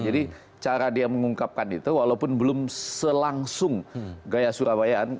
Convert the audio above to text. jadi cara dia mengungkapkan itu walaupun belum selangsung gaya surabayaan